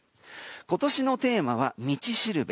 今年のテーマは道しるべ。